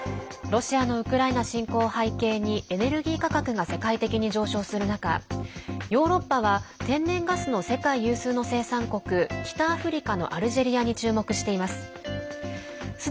ロシアのウクライナ侵攻を背景にエネルギー価格が世界的に上昇する中ヨーロッパは天然ガスの世界有数の生産国北アフリカのアルジェリアに注目しています。